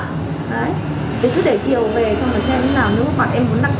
thì cứ để chiều về xong rồi xem như nào nếu có bọn em muốn đặt